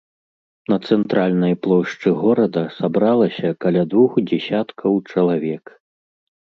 На цэнтральнай плошчы горада сабралася каля двух дзесяткаў чалавек.